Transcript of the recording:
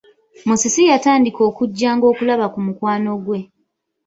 Musisi yatandika okujjanga okulaba ku mukwano gwe.